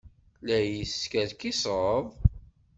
La yi-teskerkiseḍ?